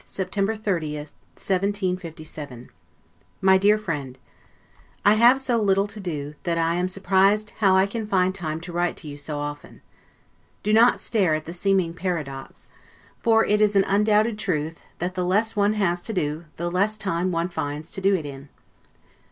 LETTER CCVIII BLACKHEATH, September 30, 1757 MY DEAR FRIEND: I have so little to do, that I am surprised how I can find time to write to you so often. Do not stare at the seeming paradox; for it is an undoubted truth, that the less one has to do, the less time one finds to do it in.